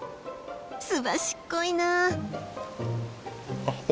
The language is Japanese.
すばしっこいなあ！